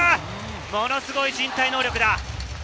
ものすごい身体能力だ。